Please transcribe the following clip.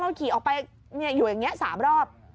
ขี่ออกไปอยู่อย่างนี้๓รอบ